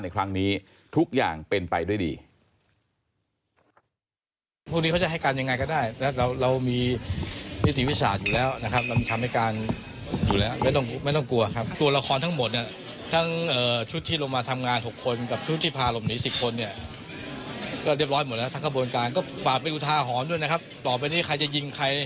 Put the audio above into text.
ในครั้งนี้ทุกอย่างเป็นไปด้วยดี